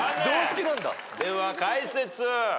では解説。